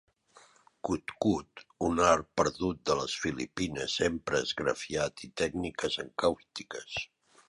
Kut-kut, un art perdut de les Filipines, empra esgrafiats i tècniques encàustiques.